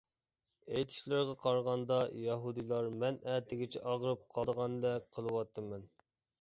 ئېيتىشلىرىغا قارىغاندا يەھۇدىيلار-مەن ئەتىگىچە ئاغرىپ قالىدىغاندەك قىلىۋاتىمەن.